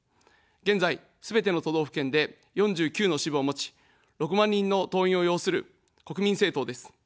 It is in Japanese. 現在、すべての都道府県で４９の支部を持ち、６万人の党員を擁する国民政党です。